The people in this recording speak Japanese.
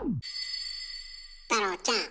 太郎ちゃん。